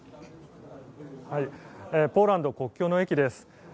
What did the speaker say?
ポーランド国境の駅です。